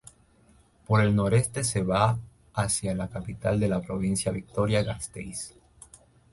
Por el noreste se va hacia la capital de la provincia, Vitoria-Gasteiz.